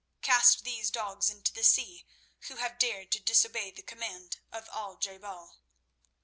"Cast these dogs into the sea who have dared to disobey the command of Al je bal."